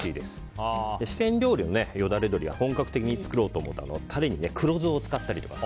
四川料理のよだれ鶏を本格的に作ろうと思ったらタレに黒酢を使ったりとか。